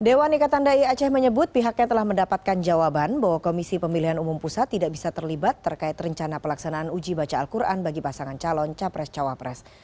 dewan ikatan dai aceh menyebut pihaknya telah mendapatkan jawaban bahwa komisi pemilihan umum pusat tidak bisa terlibat terkait rencana pelaksanaan uji baca al quran bagi pasangan calon capres cawapres